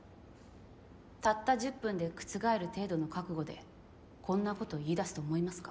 たった１０分で覆る程度の覚悟でこんなこと言いだすと思いますか？